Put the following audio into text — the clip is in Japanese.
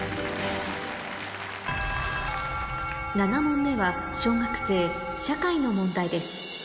７問目は小学生社会の問題です